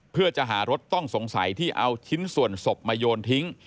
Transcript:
เพื่อจะหารถต้องสงสัยที่เอาชิ้นส่วนศพมาโยนทิ้ง